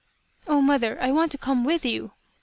" Oh, mother, I want to come with you !